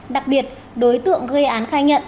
đặc biệt đối tượng gây án khai nhận